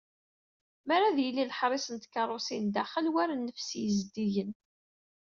Mi ara d-yili leḥris n tkerrusin daxel, war nnefs yezdigen.